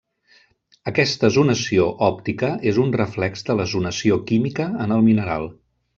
Aquesta zonació òptica és un reflex de la zonació química en el mineral.